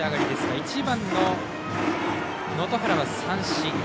１番の能登原は三振。